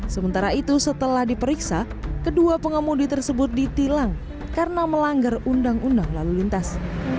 sementara itu setelah diperiksa kedua pengemudi tersebut ditilang karena melanggar undang undang lalu lintas